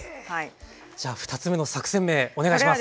じゃあ２つ目の作戦名お願いします。